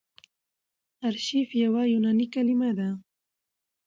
آرشیف يوه یوناني کليمه ده.